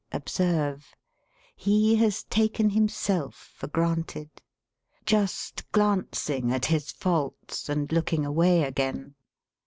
Observe: he has taken himself for granted, just glancing at his faults and looking away again.